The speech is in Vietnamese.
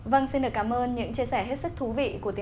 vâng xin được cảm ơn những chia sẻ hết sức thú vị